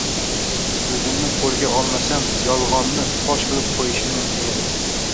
o`zimni qo`lga olmasam, yolg`onnni fosh qilib qo`yishim mumkin edi